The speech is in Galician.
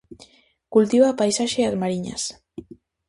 Cultiva a paisaxe e as mariñas.